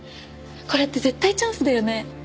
これって絶対チャンスだよね？